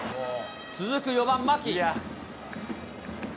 続く４番牧。